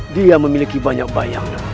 dia memiliki banyak bayang